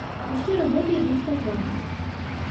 Усе работы ідуць па плане.